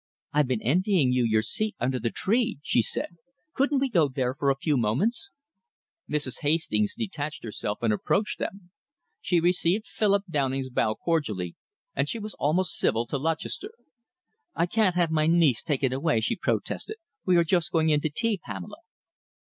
"I've been envying you your seat under the tree," she said. "Couldn't we go there for a few moments?" Mrs. Hastings detached herself and approached them. She received Philip Downing's bow cordially, and she was almost civil to Lutchester. "I can't have my niece taken away," she protested. "We are just going in to tea, Pamela."